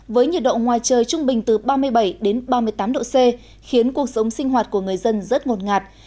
với nhiệt độ ngoài trời trung bình từ ba mươi bảy đến ba mươi tám độ c khiến cuộc sống sinh hoạt của người dân rất ngột ngạt